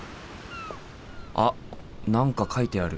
あっ何か書いてある。